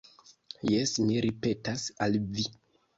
Jes, mi ripetas al vi.